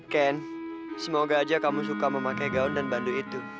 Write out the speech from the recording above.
ken semoga aja kamu suka memakai gaun dan bandu itu